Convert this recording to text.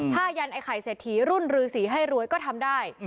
ถ้ายันไอ้ไข่เศรษฐีรุ่นรือสีให้รวยก็ทำได้